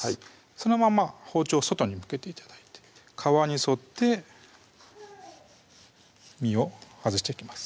そのまま包丁を外に向けて頂いて皮に沿って身を外していきます